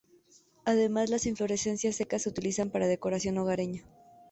Además, las inflorescencias secas se utilizan para decoración hogareña.